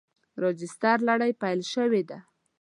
راجستر لړۍ پیل شوې ده.